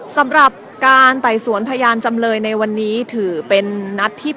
สำหรับการไต่สวนพยานจำเลยในวันนี้ถือเป็นนัดที่๘